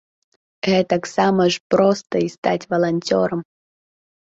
Гэтаксама ж проста і стаць валанцёрам.